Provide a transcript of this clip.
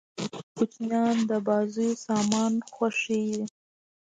کوچنيان د بازيو سامان خوښيي.